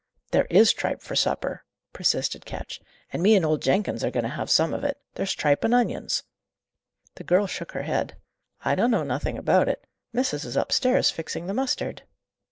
"There is tripe for supper," persisted Ketch. "And me and old Jenkins are going to have some of it. There's tripe and onions." The girl shook her head. "I dun know nothing about it. Missis is upstairs, fixing the mustard."